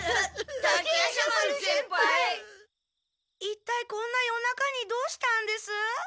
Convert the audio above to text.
いったいこんな夜中にどうしたんです？